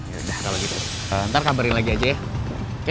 ya udah kalau gitu ntar kabarin lagi aja ya